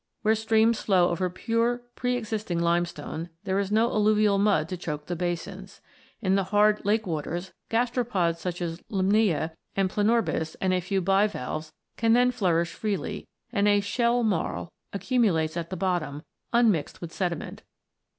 Where streams flow over pure pre existing limestone, there is no alluvial mud to choke the basins. In the hard lake waters, gastropods such as Limnsea and Planorbis, and a few bivalves, can then flourish freely, and a "shell marl" accumulates at the bottom, unmixed with sediment.